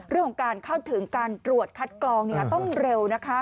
เรื่องของการเข้าถึงการตรวจคัดกรองต้องเร็วนะคะ